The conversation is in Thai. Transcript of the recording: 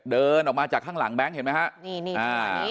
เดินออกมาจากข้างหลังแบงค์เห็นไหมฮะนี่นี่